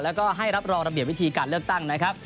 แล้วก็ให้รับรองระเบียบวิธีการเลือกตั้งนะครับ